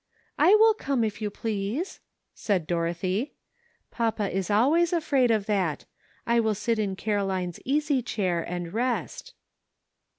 *'I will come, if you please," said Dorothy. "Papa is always afraid of that; I will sit in Caroline's easy chair and rest."